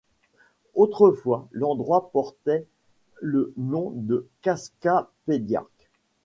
Autrefois, l'endroit portait le nom de Cascapédiac.